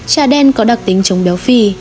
ba trà đen có đặc tính chống béo phì